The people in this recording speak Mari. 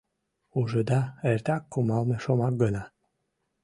Ужыда, эртак кумалме шомак гына.